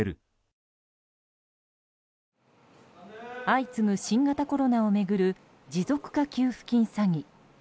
相次ぐ新型コロナを巡る持続化給付金詐欺。